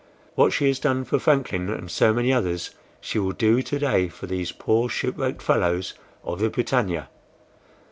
What she has done for Franklin and so many others, she will do to day for these poor shipwrecked fellows of the BRITANNIA."